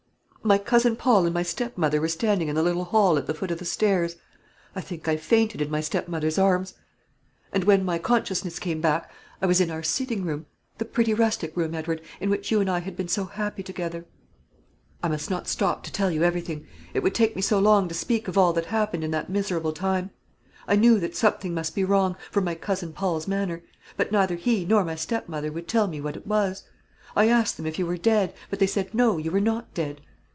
My cousin Paul and my stepmother were standing in the little hall at the foot of the stairs. I think I fainted in my stepmother's arms; and when my consciousness came back, I was in our sitting room, the pretty rustic room, Edward, in which you and I had been so happy together. "I must not stop to tell you everything. It would take me so long to speak of all that happened in that miserable time. I knew that something must be wrong, from my cousin Paul's manner; but neither he nor my stepmother would tell me what it was. I asked them if you were dead; but they said, 'No, you were not dead.'